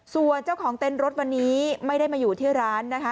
ส่วนเจ้าของเต้นรถวันนี้ไม่ได้มาอยู่ที่ร้านนะคะ